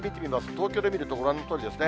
東京で見ると、ご覧のとおりですね。